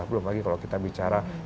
belum lagi kalau kita bicara